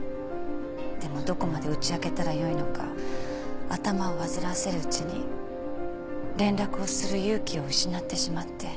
でもどこまで打ち明けたらよいのか頭を煩わせるうちに連絡をする勇気を失ってしまって。